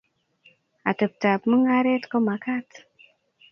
Ateptab mung'aret komakat